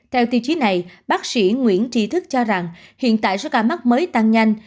theo tiêu chí này bác sĩ nguyễn tri thức cho rằng hiện tại số ca mắc mới tăng nhanh